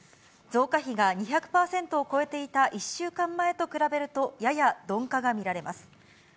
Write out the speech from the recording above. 増加比が２００％を超えていた１週間前と比べるとやや鈍化が見られます。